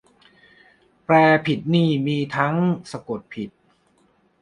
แปลผิดนี่มีทั้ง สะกดผิด